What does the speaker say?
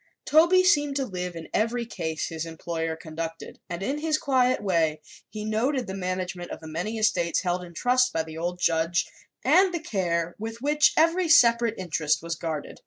Toby seemed to live in every case his employer conducted and in his quiet way he noted the management of the many estates held in trust by the old judge and the care with which every separate interest was guarded.